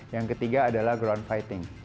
yang ketiga adalah ground fighting